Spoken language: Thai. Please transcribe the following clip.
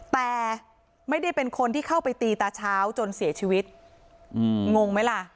แต่ไม่ได้เป็นคนที่เข้าไปตีตาเช้าจนเสียชีวิตอืมงงไหมล่ะ